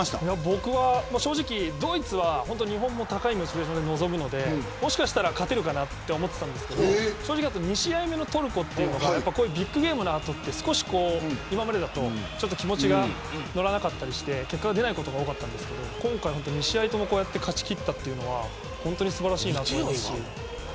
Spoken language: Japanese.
僕は正直、ドイツは日本も高いモチベーションで挑むのでもしかしたら勝てるかなと思っていたんですが２試合目のトルコはこういうビッグゲームの後は今までだと気持ちが乗らなかったりして結果が出ないことが多かったんですけど今回は２試合ともこうやって勝ち切ったのは本当に素晴らしいなと。